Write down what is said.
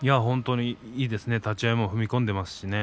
いいですね、立ち合いも踏み込んでいますしね。